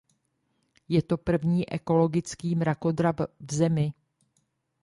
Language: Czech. Je to první ekologický mrakodrap v zemi.